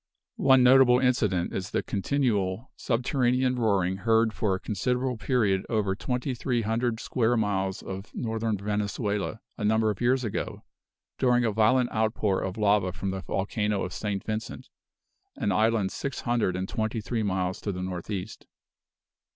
One notable incident is the continual subterranean roaring heard for a considerable period over twenty three hundred square miles of Northern Venezuela, a number of years ago, during a violent outpour of lava from the volcano of St. Vincent, an island six hundred and twenty three miles to the northeast.